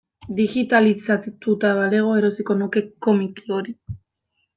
Digitalizatuta balego erosiko nuke komiki hori.